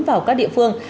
vào các địa phương